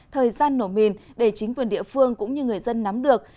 thời gian nổ mìn để chính quyền địa phương cũng như người dân nắm được